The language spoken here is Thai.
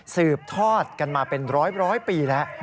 สืบทอดกันมาเป็นร้อยปีแล้ว